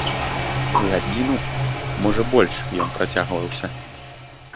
Гадзіну, можа больш ён працягваўся.